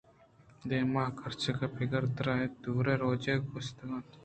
دیمے کرچک ءُپیر تر اَت ءُروءُ رواجےگستا اِت اَنت